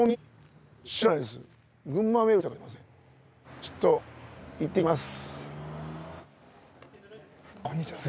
ちょっと行ってきます。